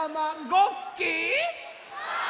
ごっき！